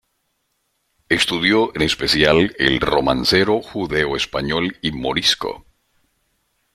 Estudió en especial el Romancero judeoespañol y morisco.